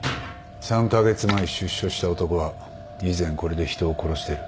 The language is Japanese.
３カ月前出所した男は以前これで人を殺してる。